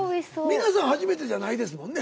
皆さん初めてじゃないですもんね。